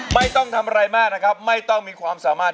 ไม่ต้องทำอะไรมากนะครับไม่ต้องมีความสามารถ